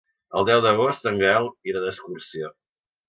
El deu d'agost en Gaël irà d'excursió.